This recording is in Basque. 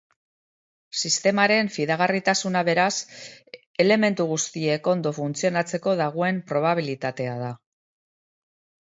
Sistemaren fidagarritasuna, beraz, elementu guztiek ondo funtzionatzeko dagoen probabilitatea da.